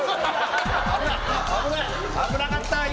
危なかった、今。